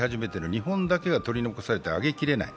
日本だけが取り残されて、上げきれない。